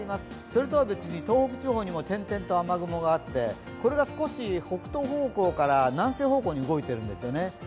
それとは別に東北地方にも点々と雨雲があってこれが少し北東方向から南西方向に動いてるんですよね。